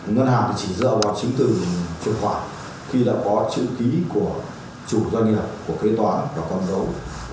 ngân hàng chỉ dựa vào chính từ chuyển khoản khi đã có chữ ký của chủ doanh nghiệp của khế toán và con dấu